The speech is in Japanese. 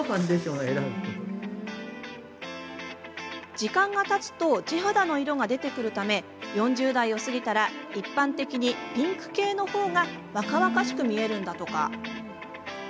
時間がたつと地肌の色が出てくるため４０代を過ぎたら一般的にピンク系のほうが若々しく見えるんだとか。